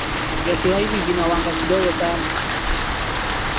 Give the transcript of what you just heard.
vyakula hivi vina wanga kidogo sana